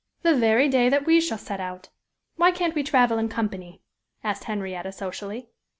"The very day that we shall set out why can't we travel in company?" asked Henrietta, socially.